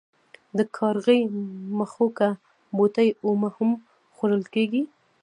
د کارغي مښوکه بوټی اومه هم خوړل کیږي.